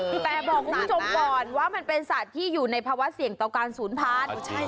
แต่บอกคุณผู้ชมก่อนว่ามันเป็นสัตว์ที่อยู่ในภาวะเสี่ยงต่อการศูนย์พันธุ์